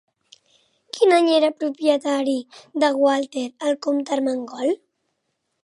Quin any era propietari de Gualter el comte Ermengol?